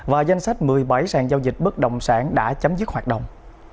và danh sách một mươi bảy sàn giao dịch bất động sản đã chấm dứt hoạt động